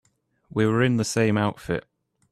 We were in the same outfit.